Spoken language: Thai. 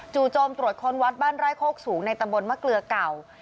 โจมตรวจค้นวัดบ้านไร่โคกสูงในตำบลมะเกลือเก่า